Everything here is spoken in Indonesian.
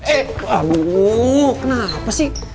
eh aduh kenapa sih